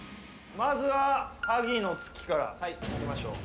まずは萩の月からいきましょう